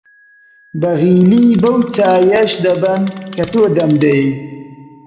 بەغیلی بەو چایییەش دەبەن کە تۆ دەمدەیەی!